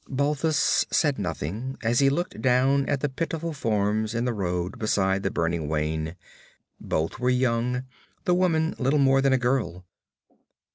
Balthus said nothing as he looked down at the pitiful forms in the road beside the burning wain. Both were young, the woman little more than a girl.